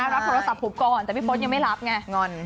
รับโทรศัพท์ผมก่อนแต่พี่พศยังไม่รับไงงอน